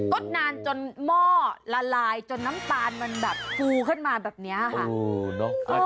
ดนานจนหม้อละลายจนน้ำตาลมันแบบฟูขึ้นมาแบบนี้ค่ะ